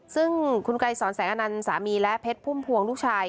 ซึ่งคุณไกรสอนแสงอนันต์สามีและเพชรพุ่มพวงลูกชาย